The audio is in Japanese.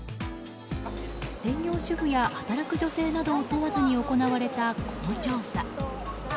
専業主婦や働く女性などを問わずに行われた、この調査。